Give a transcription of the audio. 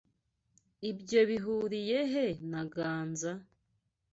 Ibyo bihuriye he na Ganza?